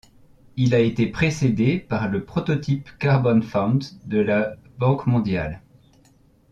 Il a été précédé par le Prototype carbon fund de la Banque mondiale.